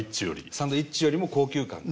「サンドイッチ」よりも高級感が。